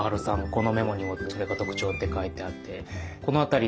このメモにもそれが特徴って書いてあって。